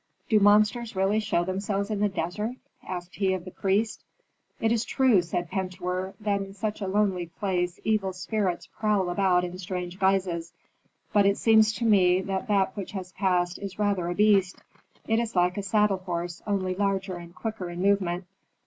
"Do monsters really show themselves in the desert?" asked he of the priest. "It is true," said Pentuer, "that in such a lonely place evil spirits prowl about in strange guises. But it seems to me that that which has passed is rather a beast. It is like a saddle horse, only larger and quicker in movement.